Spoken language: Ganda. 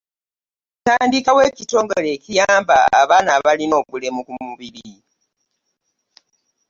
Yatandikawo ekitongole ekiyamba abaana abalina obulemu ku mubiri.